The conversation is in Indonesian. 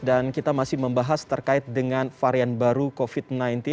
dan kita masih membahas terkait dengan varian baru covid sembilan belas